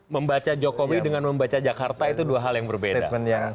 membaca jokowi dengan membaca jakarta itu dua hal yang berbeda